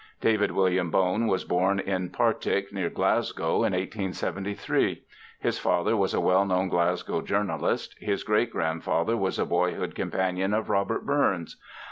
David William Bone was born in Partick (near Glasgow) in 1873; his father was a well known Glasgow journalist; his great grandfather was a boyhood companion of Robert Burns.